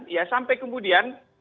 ya sampai kemudian